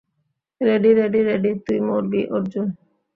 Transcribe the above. Ready, ready, ready, তুই মরবি, অর্জুন।